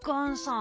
ん？